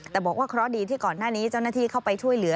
แต่บอกว่าเคราะห์ดีที่ก่อนหน้านี้เจ้าหน้าที่เข้าไปช่วยเหลือ